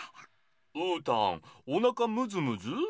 うーたんおなかむずむず？